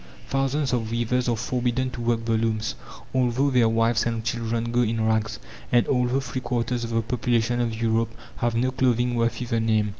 Thousands of weavers are forbidden to work the looms, although their wives and children go in rags, and although three quarters of the population of Europe have no clothing worthy the name.